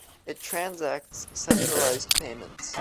It transacts centralized payments.